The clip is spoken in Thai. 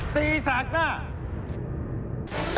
ผู้วิทยุฏีสากหน้า